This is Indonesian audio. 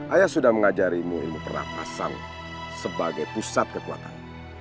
ayah sudah mengajarimu ilmu pernapasan sebagai pusat kekuatan